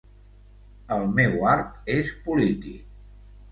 El meu art és polític.